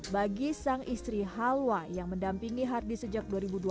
bagi sang istri halwa yang mendampingi hardy sejak dua ribu dua belas